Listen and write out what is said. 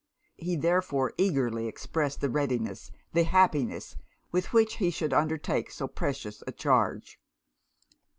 He therefore eagerly expressed the readiness, the happiness, with which he should undertake so precious a charge.